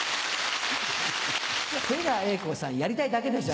瀬川瑛子さんやりたいだけでしょ？